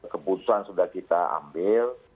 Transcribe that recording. keputusan sudah kita ambil